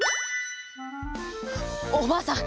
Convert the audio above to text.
おばあさん